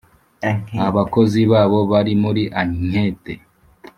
abakozi babo bari muri ankete